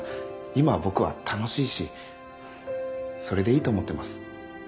今僕は楽しいしそれでいいと思っています。